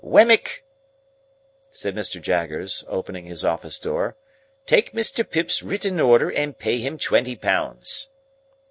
"Wemmick!" said Mr. Jaggers, opening his office door. "Take Mr. Pip's written order, and pay him twenty pounds."